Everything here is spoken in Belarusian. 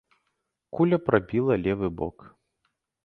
Куля прабіла левы бок.